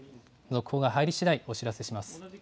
続報が入りしだいお知らせします。